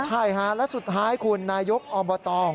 ใช่แล้วสุดท้ายคุณนายยกออมปะตอง